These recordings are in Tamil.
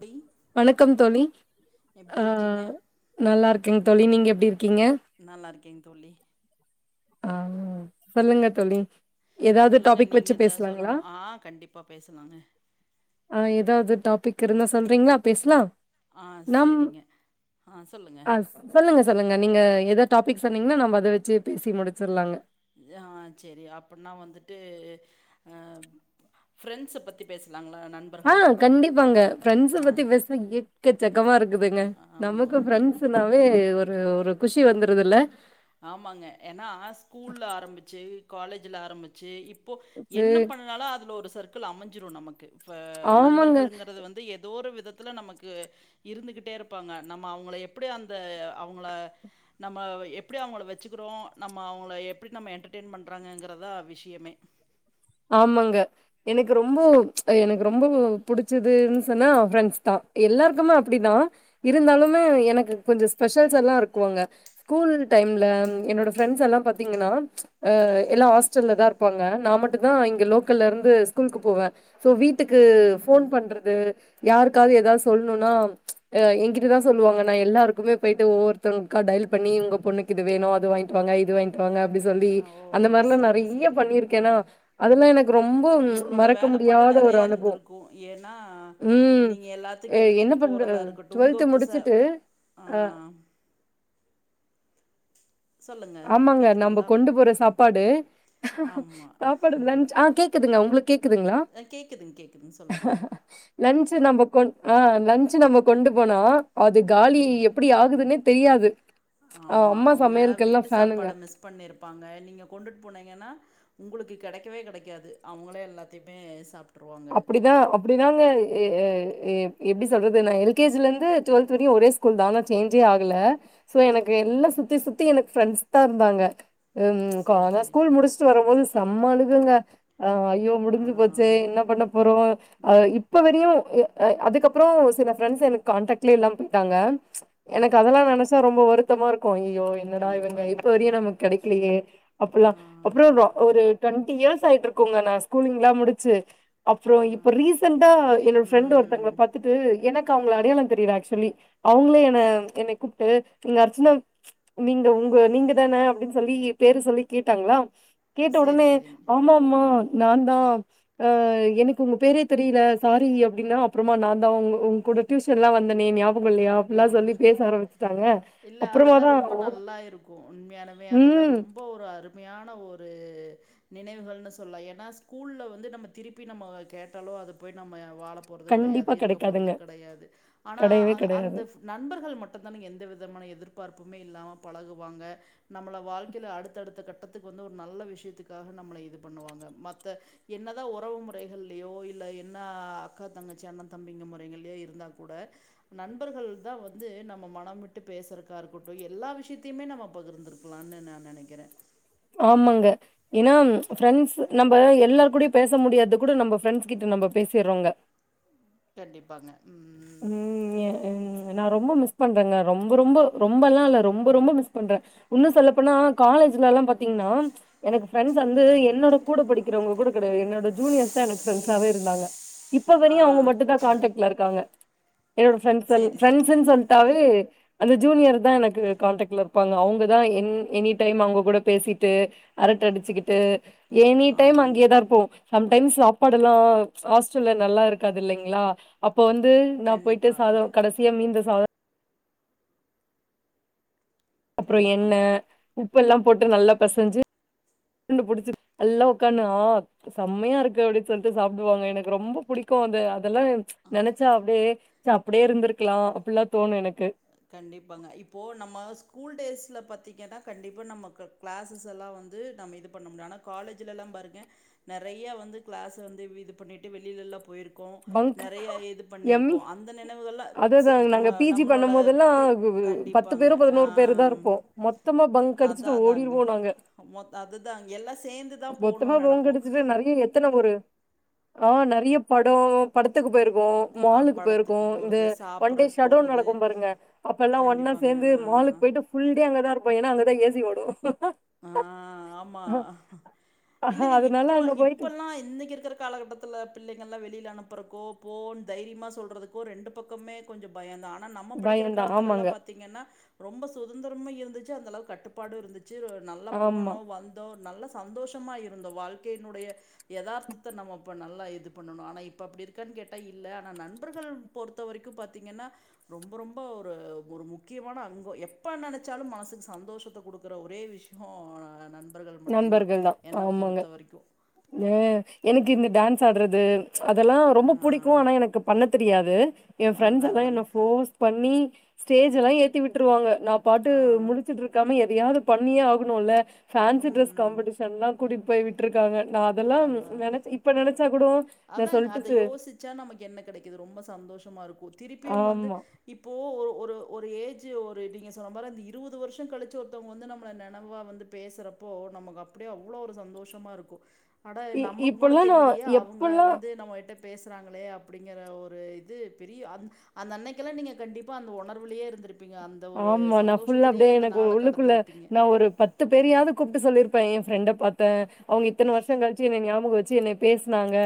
டி வணக்கம் தோழி எப்டி ஆ இருக்கீங்க நல்லா இருக்கேங்க தோழி நீங்க எப்டி இருக்கீங்க நல்லா இருக்கேங் தோழி ஆ சொல்லுங்க தோழி ஏதாவது சொல்லுங்க டாபிக் வச்சு நீங்கதா பேசலாங்களா? சொல்லணு ஆ கண்டிப்பா பேசலாங்க ஆ ஏதாவது டாபிக் இருந்தா சொல்றீங்களா பேசலா ஆ சேரிங்க ஆ சொல்லுங்க ஆ சொல்லுங்க சொல்லுங்க நீங்க எதா டாபிக் சொன்னீங்கன்னா நம்ம அத வச்சு பேசி முடிச்சிடலாங்க ஆ சேரி அப்டினா வந்துட்டு ஆ ஃப்ரெண்ட்ஸ பத்தி பேசலாங்களா நண் ஆ கண்டிப்பாங்க ஃப்ரெண்ட்ஸ பத்தி பேச எக்க சக்கமா இருக்குதுங்க ஆமா நமக்கு ஆமாங்க ஃப்ரெண்ட்ஸ் னாவே ஒரு ஒரு குஷி வந்துருது இல்ல ஆமாங்க ஏன்னா ஸ்கூல்ல ஆரம்பிச்சு காலேஜ்ல ஆரம்பிச்சு இப் ப்போ என்ன பண்ணனாலு அதுல ஒரு சர்க்கிள் அமைஞ்சிடும் நமக்கு இப்ப ஆமாங்க நண்பர்கள்ங்கிறது வந்து எத ஏதோ ஒரு விதத்துல நமக்கு இருந்துகிட்டே இருப்பாங்க நம்ம அவங்கள எப்படி அந்த அவங்கள நம்ம எப் எப்டி அவங்கள வச்சுக்கிறோ நம்ம அவங்கள எப்டி நம்ம என்டர்டெயன் பண்ணுறாங்கிறதா விஷயமே ஆமாங்க எனக்கு ரொம்ப எனக்கு ரொம்ப புடிச்சதுன்னு சொன்னா ஃப்ரெண்ட்ஸ் தா எல்லாருக்குமே அப்டிதா இருந்தாலுமே எனக்கு கொஞ்சோ ஸ்பெஷல்ஸ் எல்லா இருக்குங்க ஸ்கூல் டைம்ல என்னோட ஃப்ரெண்ட்ஸ் எல்லா பாத்தீங்கன்னா ஆ எல்லா ஹாஸ்டல்ல தா இருப்பாங்க நா மட்டு தா இங்க லோக்கல்ல இருந்து ஸ்கூலுக்கு போவே சோ வீட்டுக்கு ம், போன் ம். பண்ற ஆ யாருக்காது எதாது சொல்னுனா ஆ எங்கிட்டதா சொல்லுவாங்க நா எல்லாருக்குமே போயிட்டு ஒவ்வொருத்தங்கா டடைல் பண்ணி உங்க பொண்ணுக் இது வேணு அது வாங்கிட்டு வாங்க இது வாங்கிட்டு வாங்க அப்டி சொல்லி ஓ! அந்த மாறிலா சரி, நெறைய சரிங்க. பண்ணியிருக்கேன்னா ஆ. அதுல்லா எனக்கு ரொம்ப உங்களோட மறக்க வேலைப்பாடு முடியாத ஒரு நெறையா அனுபவம் இருந்திருக்கும் ஏன்னா ம் நீங்க எல்லாத்துக்கு என்ன எடுத்துட்டு பண்ணுற போறதா இருக்கட்டும் உங்க டுவெல்த் இப்ப ச முடிச்சுட்டு ஆ அ சொல்லுங்க ஆமாங்க நம்ம கேக்குதுங்களா கொண்டு போற சாப்பாடு ஆமா ஆ கேக்குதுங்க உங்களுக்கு கேக்குதுங்களா அ கேக்குதுங்க கேக்குதுங்க சொல்லுங்க லன்சு நம்ம கொண் ஆ லன்சு நம்ம கொண்டு போனா அது காலி எப்டி ஆகுதுன்னே தெரியாது அவ அம்மா சமையல் ட்டு சாப்பாட மிஸ் பண்ணிருப்பாங்க நீங்க கொண்டுட்டு போனீங்கன்னா உங்களுக்கு கெடைக்கவே கெடைக்காது அவங்களே எல்லாத்தையுமே சாப் அப்டிதா அப்டிதாங்க எ எ எ எப்டி சொல்றது நா எல்கேஜில இருந்து டுவெல்த் வரையு ஒரே ஸ்கூ கூல்தாங்க சேஞ்சே ஆகல சோ எனக்கு எல்லா சுத்தி சுத்தி எனக்கு ஃப்ரெண்ட்ஸ் தா இருந்தாங்க ம் கா சேரி நா சேரிங்க ஸ்கூல் முடிச்சுட்டு வரும்போது செம்ம அழுகங்க ஆ ஐயோ ஆ முடிஞ்சு போச்சே என்ன பண்ண போறோ ஆ இப்ப வரையு ஆ அதுக்கப்பறோ சில ஃப்ரெண்ட்ஸ் எனக்கு கான்டக்ட்லேயே இல்லாம போயிட்டாங்க எனக்கு அதெல்லா நினைச்சா ரொம்ப வருத்தமா இருக்கு ஐயய்யோ என்னடா இவங்க கண்டிப்பாங்க இப்ப வரைக்கு நமக்கு கெடைக்கலையே அப்பல்லா ஆ அப்றோ ரோ ஒரு டொண்ட்டி இயர்ஸ் ஆயிட்ருக்குங்க நா ஸ்கூலிங்லா முடிச்சு அப்றோ ஆ இப்ப ரீசெண்டா இரு என்னோட ஃபிரண்ட் ம் ஒருத்தங்கள பாத்து ம் எனக்கு அவுங்கள அடையாலோ தெரில ஆக்சுவலி அவங்களே என்ன என்னய கூப்டு இங்க அர்ச்சன நீங்க உங்க நீங்க தான அப்டின் சொல்லி பேரு சொல்லி கேட்டாங்களா கேட்ட சேரி ஒடனே சேரிங்க ஆமாமா நா தா ஆ எனக்கு உங்க பேரே தெரில சாரிங்க அப்டின்னா அப்றமா நா தா உ உங்க கூட டியூஷன்லா வந்தனே ஞா பகோ இல்லையா அப்புல்லா ஞாபகம் சொல்லி பேச இருக்கு ஆரம்பிச்சிட்டாங்க இல்ல அதெல்லாம் அப்றமாதா ரொம்ப ம் இப்போ ஒரு அருமையான ஒரு நினைவுகள்னு சொல்லா ஏனா ஸ்கூல்ல வந்து நம்ம திருப்பி நம்ம கேட்டாலோ அது போய் நம்ம வாழ போறது கெடையாது கண்டிப்பா இருக்க போறது கெடைக்காதுங்க. கெடையாது ஆனா கெடையவே கெடையாது. அந்த நண்பர்கள் மட்டுந்தான எந்த விதமான எதிர்பார்ப்புமே இல்லாம பழகுவாங்க நம்மள வாழ்க்கைல அடுத்தடுத்த கட்டத்துக்கு வந்து ஒரு நல்ல விஷயத்துக்காக நம்ள இது பண்ணுவாங்க மத்த என்னதா ஒறவு முறைகள்லயோ இல்ல என்ன அக்கா தங்கச்சி அண்ணன் தம்பிங்க முறைகள்ளயோ இருந்தா கூட நண்பர்கள் தா வந்து நம்ம மனம் விட்டு பேசுறக்கா இருக்கட்டு எல்லா விஷ்யத்தையுமே நம்ம பகிர்ந்துரு க்லான்னு நா நெனைக்கறே ஆமாங்க ஏனா ஃபிரெண்ட்ஸ் நம்ம எல்லார்கூடயு பேச முடியாதது கூட நம்ம ஃபிரெண்ட்ஸ் கிட்ட நம்ம பேசிர்றங்க கண்டிப்பாங்க ம் ய ம் நா ரொம்ப மிஸ் பண்றேங்க ரொம்ப ரொம்ப ரொம்பெல்லா இல்ல ரொம்ப ரொம்ப மிஸ் பண்றே இன்னு சொல்லப்போனா காலேஜ்லலா பாத்திங்னா எனக்கு ஃபிரெண்ட்ஸ் வந்து என்னோட கூட படிக்கிறவங்க கூட கெடையாது என்னோட‌ ஜூனியர்ஸ் தா எனக்கு ஃபிரண்ட்ஸாவே இருந்தாங்க இப்ப ஆ வரையு அவங்க மட்டுந்தா கான்டெக்ட் ல இருங்காங்க என்னோட ஃபிரெண்ஸ்சல் சேரி சேரி ஃபிரெண்ஸ்சுன் சொல்ட்டாவே அந்த ஜூனியர் தா எனக்கு கான்டெக்ட்ல இருக்கு ப்பாங்க அவங்கதா என் எனி டைம் அவுங்க கூட பேசிட்டு அரட்ட அடிச்சுக்கிட்டு எனி டைம் ஆமாங்க அங்கே தா தாருப்போ சம்டைம்ஸ் சாப்பாடெல்லா ஹாஸ்டல்ல நல்லா இருக்காது இல்லைங்களா அப்போ வந்து நா போயிட்டு கண்டிப்பா சாதோ கடைசியா மீந்த சாதோ அப்றோ எண்ண கண்டிப்பாங்க உப்பெல்லா போட்டு நல்லா பெசஞ்சு உருண்ட புடிச்சி நல்லா உக்கானு ஆ செம்மையா இருக்கு அப்டி சொல்ட்டு சாப்டுவாங்க எனக்கு ரொம்ப புடிக் க்கு அது அதெல்லா நெனைச்சா அப்டியே ச்ச அப்டியே இருந்துருக்லா அப்புல்லா தோணு எனக்கு கண்டிப்பாங்க இப்போ நம்ம ஸ்கூல் டேஸ்ல பாத்திங்கன்னா கண்டிப்பா நமக்கு கிளாஸஸ் எல்லா வந்து நம்ம இது பண்ண முடியு ஆனா காலேஜ்லலா பாருங்க நெறையா வந்து கிளாஸ் வந்து இது பண்ணிட்டு வெளிலலா போய்ருக் க்கோ பங்க் நெறைய இது பண்ணிருக்கோ எம்மி அந்த நினைவுகளா அததா ச்ச நாங்க ம பி ஜி நம்மளோட பண்ணும் போதெல்லா எப்டி பத்து கண்டிப்பாங்க பேரோ ஆ பதினோரு பேரு தா இருப்போ மொத்தமா பங்க் அதா அடிச்சுட்டு அதாங்க ஓடிருவோ நாங்க மொத் அதுதா எல்லா சேந்துதா போணுன் நெனைப்போ நறைய எத்தன ஒரு ஆ நறைய படோ படத்துக்கு போயிருக்கோ அ மாலுக்கு போயிருக்கோ படத்துக்கு இந்த போறது, ஒன் டே சாப்பிட்றக்கு ஷடோன் போறது. நடக்கு பாருங்க அப்பல்லா ஒன்னா கண்டிப்பாங்க. சேந்து ஆ. மாலுக்கு போயிட்டு ஃபுல் டே அங்கதா இருப்போ ஏனா அங்கதா ஏசி ஓடு ஆ ஆமா இல்ல நீங்க அதனால இப்போ அங்க போயிட்டு இப்பல்லா இன்னைக்கு இருக்குற காலகட்டத்துல பிள்ளைங்கள்லா வெளில அனுப்புறக்கோ போனு தைரியமா சொல்றதுக்கோ ரெண்டு பக்கமே கொஞ்சோ பயந்தா ஆனா நம்ம படிக்கிற பயந்தா காலத்துலலா ஆமாங்க. பாத் திங்கன்னா ரொம்ப சுதந்திரமு இருந்துச்சு அந்தளவுக்கு கட்டுபாடு இருந்துச்சு [unintelligible] நல்லா ஆமா. போனோம் வந்தோம் நல்ல சந்தோஷமா இருந்தோம் வாழ்க்கையினுடைய எதார்த்தத்தை நம்ம இப்போ நல்லா இது பண்ணணும் ஆனா இப் ப அப்டி இருக்கான்னு கேட்டா இல்ல ஆனா நண்பர்கள் பொறுத்த வரைக்கும் பாத்தீங்கன்னா ரொம்ப ரொம்ப ஒரு ஒரு முக்கியமான அங்கம் எப்ப நெனைச்சாலும் மனசுக்கு சந்தோஷத்தை கொடுக்குற ஒரு ஒரே விஷயோ நண்பர்கள் மட்டும்தான் நண்பர்கள் தான். என்ன ஆமாங்க. பொறுத்த வரைக்கும் அ எனக்கு இந்த டான்ஸ் ஆட்றது அதெல்லாம் ஆ, ரொம்ப புடிக்கும் ஆனா எனக்கு பண்ண தெரியாது என் அதான் பிரெண்ட்ஸ்ல்லாம் என்ன அதாங்க ஃபோர்ஸ் பண்ணி ஸ்டேஜ்ல்லாம் ஏத்தி விட்டுருவாங்க நான் பாட்டு ஆ முழிச்சுட்டு இருக்காம எதையாவது பண்ணியே ஆகணும்ல்ல ஃபேன்சி ம் ட்ரெஸ் ம் காம்படிஷன்லாம் கூட்டிட்டு போய் விட்ருக்காங்க நான் அதெல்லாம் நெனச் இப்போ நெனைச்சா கூட நா அதா சொல்ட்டு அதை சு யோசிச்சா நமக்கு என்ன கெடைக்குது ரொம்ப சந்தோஷமா இருக்கும் திருப்பியும் வந்து ஆமா இப்போ ஒரு ஒரு ஒரு ஏஜு ஒரு நீங்க சொன்ன மாதிரி அந்த இருபது வருஷம் கழிச்சு ஒருத்தவங்க வந்து நம்மள நெனைவா வந்து பேசுறப்போ நமக்கு அப்டியே அவ்வளவு ஒரு சந்தோஷமா இருக்கும் அட இ நமக்கு கூட இப்பல்லா நா தெரிலையா அவங்க எப்பல்லா வந்து நம்மகிட்ட பேசுறாங்களே அப்டிங்கிற ஒரு இது பெரிய அந்த அந்த அன்னைக்கெல்லாம் நீங்க கண்டிப்பா அந்த உணர்விலே இருந்திருப் பீங்க அந்த ஒரு ஆமா நா ஃபுல்லா சந்தோஷத்திலேயே அப்டியே அந்த எனக்கு ஒரு நாளை உள்ளுக்குள்ள கடத்திருப்பீங்க நா [unintelligible] கூப்ட்டு சொல்லியிருப்பேன் என் ப்ரெண்டை பாத்தேன் அவங்க இத்தனை வருஷம் கழிச்சு என்னை ஞாபகம் வச்சு பேசுனாங்க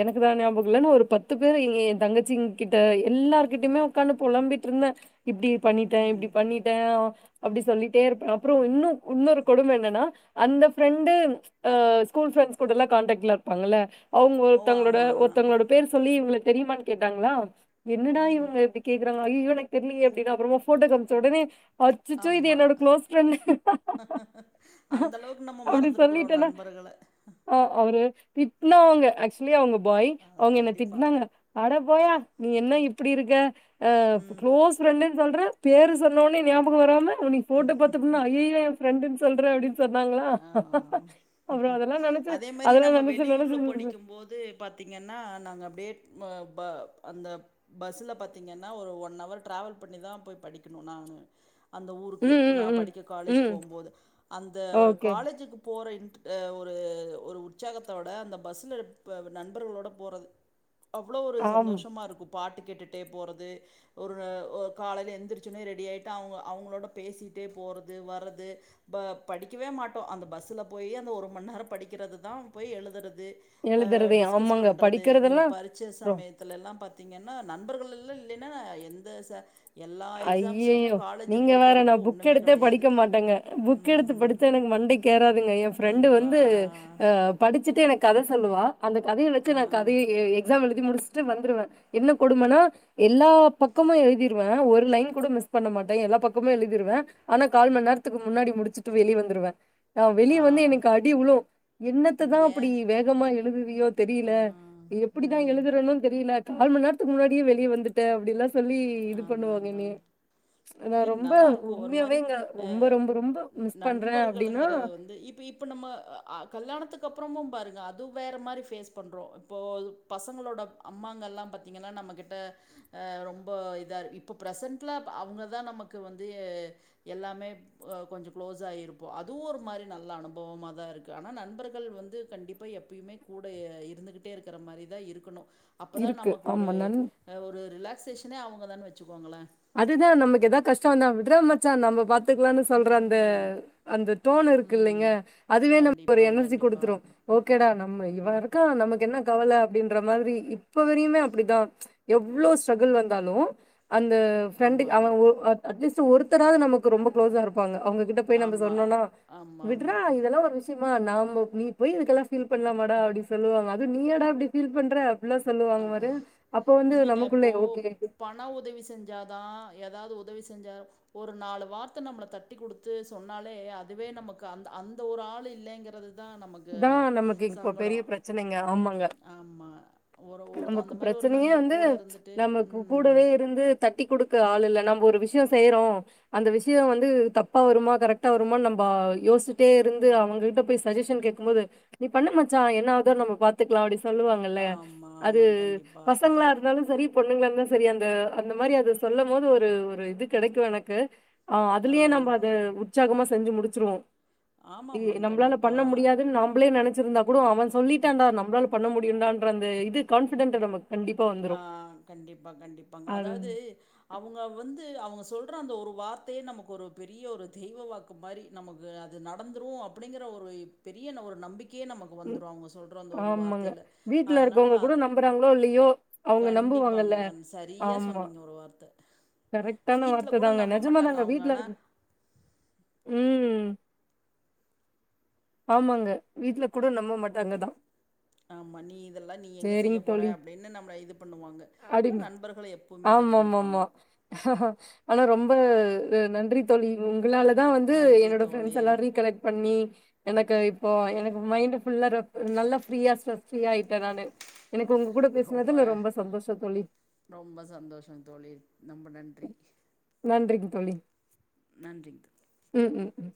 எனக்குதான் ஞாபகம் இல்லன்னா ஒரு பத்து பேரு என் தங்கச்சி கிட்ட எல்லார்கிட்டயுமே உக்காந்து புழம்பிட்டு இருந்தேன் இப்டி பண்ணிட்டேன் ம். இப்டி பண்ணிட்டேன் அப்டி சொல்லிட்டே இருப்பேன் அப்றோ இன்னும் இன்னொரு கொடும என்னன்னா அந்த ப்ரெண்டு அ ஸ்கூல் ப்ரண்ட்ஸ்க் கூடல்லாம் காண்டக்ட்ல இருப்பாங்கல்ல அவங்க ஓ! ஒருத்தங்களோட ஆமா. ஒருத்தங்களோட பேர் சொல்லி இவங்க தெரியுமான்னு கேட்டாங்களா என்னடா இவங்க கேக்குறாங்க ஐய்யயோ எனக்கு தெரிலயே அப்டின்னு அப்றமா போட்டோ காமிச்ச உடனே அச்சச்சோ இது ஆமா. என்னோட க்ளோஸ் ப்ரெண்டு அந்த அளவுக்கு நம்ம அப்டி மறந்துருக்குறோம் சொல்லிட்டேன்னா [unintelligible] ஓ ஹோ அவரு திட்னா அவங்க ஆக்சுவலி அவங்க பாய் ஆ அவங்க என்ன கண்டிப்பா திட்னாங்க அட போயா நீ என்ன இப்டி இருக்க ஆ ம் க்ளோஸ் ப்ரெண்டுனு சொல்றே பேரு சொன்னோனி ஞாபகம் வராம உனக்கு போட்டோ பாத்துட்டு ஐயய்யோ என் ப்ரெண்டு சொல்ற அப்டின்னு சொன்னாங்களா ஆ அப்றம் அதெல்லாம் நெனைச்சு அதெல்லாம் நெனைச்சு நெனைச்ச போது பாத்தீங்கன்னா நாங்க அப்டியே ப ப அந்த பஸ்ல பாத்தீங்கன்னா ஒரு ஒன் ஹவர் ட்ராவல் பண்ணிதான் போய் படிக்கணும் நானு அந்த ம் ஊருக்கு ம் நான் ம் படிக்க காலேஜ் ம் போகும்போது அந்த ஓகே காலேஜுக்கு போற இன் ஒரு ஒரு உற்சாகத்தோட அந்த பஸ்ஸில இருப்ப நண்பர்களோட போறே [inaudible] அவ்ளோ ஒரு ஆம் சந்தோஷமா இருக்கும் பாட்டு கேட்டுட்டே போகிறது ஒரு னகாலைலப் நப எழுந்திரிச்சு ரெடி ஆகிட்டு அவங்க அவங்களோட பேசிட்டே போறது வர்றது பக்டிக்கவே மாட்டோம் அந்த பஸ்ல போயி அந்த ஒரு மணி நேரம் படிக்கிறது போய் எழுதுறது அதுல எழுதுறதே டிஸ்கஸ் ஆமாங்க பண்றது இந்த படிக்கிறதெல்லாம் பரிச்ச சமயத்து ரொ சமயத்துல எல்லாம் பாத்தீங்கன்னா நண்பர்கள்ல்லாம் இல்லைன்னா எந்த எல்லா எக்ஸாம்ஸுக்குமே ஐய்யய்யோ காலேஜை நீங்க பொறுத்த வேற நா வரைக்கும் புக் ஒன்னுமே எடுத்தே கெடையாது படிக்க மாட்டேங்க புக் ம் எடுத்து படிச்சா எனக்கு மண்டைக்கு ஏராதுங்க என் ஃப்ரெண்டு கண்டிப்பா. வந்து அ படிச்சுட்டு எனக்கு கதை சொல்லுவா அந்த கதைய வச்சு நா ஆ. கதையை எழுதிருவே எழுதி முடிச்சுட்டு வந்துருவே என்ன கொடுமன்னா எல்லா பக்கமு எழுதிருவே ஒரு ஒரு லையன் கூட மிஸ் பண்ண மாட்டே எல்லா பக்கமு எழுதிடுவே ஆனா கால் மண் நேரத்துக்கு முன்னாடி முடிச்சுட்டு வெளிய வந்துடுவே நா வெளிய ஆ. வந்து எனக்கு ஆ. அடி உழு என்னத்ததா அப்டி ஏன்? வேகமா எழுதுவியோ தெரில ஆ. எப்டிதா ம். எழுதுறணு தெரில ந கால் மண் நேரத்துக்கு முன்னாடியே வெளிய வந்துட்ட அப்டில்லா சொல்லி இது பண்ணுவா இல்லைங் நல்லாருக்கு ஒரு மாரி உண்மையாவேங்க அ ரொம்ப, ரொம்ப, ரொம்ப மிஸ் பண்றேன் அப்டின்னா, நண்பர்கள்ங்குறது வந்து இப்ப இப் இப்போ நம்ம கல்யாணத்துக்கு அப்புறமு பாருங்க அது வேற மாரி ஃபேஸ் பண்றோ இப்போ அது பசங்களோட அம்மாங்கல்லா பார்த்தீங்கன்னா நம்ம கிட்ட அ ரொம்ப இதா இருக் இப்ப ப்ரசன்ட்ல அவங்கதா நமக்கு வந்து எல்லாமே கொஞ்ச க்ளோஸ் ஆயி இருப்போ அதுவு ஒரு மாரி நல்ல அனுபவமா தா இருக்கு ஆனா நண்பர்கள் வந்து கண்டிப்பா எப்பயுமே கூட இருந்துகிட்டே இருக்கிற மாரிதா இருக்கணு அப்பதா இருக்கு. நமக்கு ஒரு ஆமா. நன் ஒரு ரிலாக்சேஷனே அவுங்க தான் வச்சுக்கோங்ளே அதுதா நமக்கு ஏதாவ கஷ்ட வந்தா விட்ற மச்சா நம்ம பார்த்துக்கலான்னு சொல்ற அந்த ம். அந்த டோன் இருக்கு ம் இல்லைங்க அதுவே நம்ம கண்டிப்பாங் எனர்ஜி கண்டிப்பா குடுத்துரு ஓகேடா நம் இவா இருக்கா நமக்கு என்ன கவல அப்டின்ற மாரி இப்ப வரையுமே அப்டிதா எவ்ளோ ஸ்ட்ரகுள் வந்தாலு ஃப்ரெண்ட்டு ஆமாங் அவன் அட்லீஸ் ஒருத்தராது நமக்கு ரொம்ப க்ளோஸ்சா இருப்பாங்க கிட்ட போய் நம்ம ஆமா. சொன்னோனா ஆமா, விட்றா ஆமா. இதெல்லா ஒரு விஷ் யமா நாம நீ போய் இதுக்கெல்லா ஃபீல் பண்லாமாடா அப்டின் சொல்லுவாங்க அது நீயாடா அப்டி ஃபீல் பண்ற அப்புலா சொல்லுவாங்க பாரு அப்ப வந்து நமக்குள்ளே ஓகே எதுனா உதவி செஞ்சாதா ஏதாவது உதவி செஞ்ச ஒரு நாலு வார்த்த நம்ள தட்டி குடுத்து சொன்னாலே அதுவே நமக்கு அந்த ஒரு ஆள் இல்லங்கிற அது தா நமக்கு இதா நமக்கு இப்போ சங்கடோ பெரிய பிரச்சனைங்க ஆமாங்க ஆமா ஒரு ஒரு நமக்கு அந்த மாரி ஒரு பிரச்சனையே நண்பர் வந்து கூட இருந்துட்டு நமக்கு ம் கூடவே இருந்து தட்டி குடுக்க ஆளு இல்லன்னா நம் ஒரு விஷ்யோ செய்றோ அந்த விஷ்யோ வந்து தப்பா வருமா கரெக்டா வருமா நம்ம யோசிட்டே இருந்து அவுங்க கிட்ட போய் சஜஷன் கேக் கும் போது நீ பண்ணு மாச்சா என்னாவுதோ நம்ம பார்த் துக்லா அப்டி சொல்லுவாங்கல்ல ஆமா, அது ஆமா. கண்டிப்பா. பசங்களா இருக் இருந்தாலு செரி பொண்ணுங்களந்தா செரி அந்த அந்த மாரி அத அது சொல்லம் போது ஒரு ஒரு இது கெடைக்கு எனக்கு ஆ அதுலியே நம்ம அத உற்சாகமா செஞ்சு முடிச்சிருவோ ஆமாமாங் நம்ளால கண்டிப்பா. பண்ண முடியாத் நாம்ப்ளே நெனச்சிருந்தா கூடு அவன் சொல்லிட்டான்டா நம்ளால பண்ண முடியுன்டா இது கான்பிடென்டல் நமக் ஆ கண்டிப்பா கண்டிப்பாங் அது அதாது அவுங்க வந்து அவுங்க சொல்ற அந்த ஒரு வார்த்தையே நமக்கு ஒரு பெரிய ஒரு தெய்வ வாக்கு மாரி நமக்கு அது நடந்துரு அப்டிங்கிற ஒரு பெரிய ஒரு நம்பிக் கையே நமக்கு ம் வந்துரு அவுங்க சொல்ற அந்த ஒரு வார்த்தையில அதனால அது அனுப்றாங்ளோ இல்லையோ அவங்க கண்டிப்பாங்க நம்புவாங்கல்ல. அ சரியா சொன்னீங்க ஒரு வார்த்த கரெக்டான வீட்ல வார்த்த கூட தாங்க நம்ப நெஜமா மாட்டாங்க தாங்க அவங்க. வீட்ல ஆனா, இருக்கு ம் ஆமாங்க வீட்ல கூட நம்ப மாட்டாங்கதா ஆமா நீ இதெல்லா நீ எங்க செய்ய போற தோழி. அப்டின்னு நம்ள இது பண்ணுவாங்க ஆனா நண்பர்கள் எப்போமே தட்டி குடுப்பாங்க ஆமாமாமா. ஆனா ரொம்ப நன்றி தோழி உங்களாலதா வந்து நன்றி என்னோட தோழி. ஃப்ரெண்ட்ஸ் எல்லா ரீகலக்ட் பண்ணி எனக்கு இப்போ எனக்கு மைண்ட் ஃபுல்லா நல்லா ஃப்ரீயா ஸ்டரஸ் ஃப்ரீயா ஆயிட்ட நானு எனக்கு உங்க கூட பேசுனது ரொம்ப சந்தோஷ தோழி ரொம்ப சந்தோஷ தோழி நொம்ப நன்றி நன்றிங்க தோழி நன்றிங்க தோழி ம் ம் ம்